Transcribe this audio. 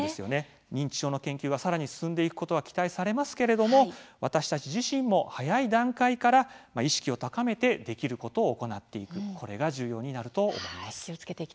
認知症の研究が、さらに進んでいくことが期待されますが私たち自身も早い段階から意識を高めてできることを行っていくこれが重要になると思います。